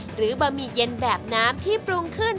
บะหมี่เย็นแบบน้ำที่ปรุงขึ้น